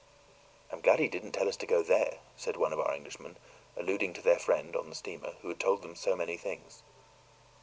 "I'm glad he didn't tell us to go there," said one of our Englishmen, alluding to their friend on the steamer, who had told them so many things.